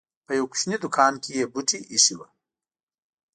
په يوه کوچنۍ دوکان کې یې بوټي اېښي وو.